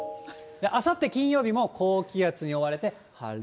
あさって金曜日も高気圧に覆われて晴れ。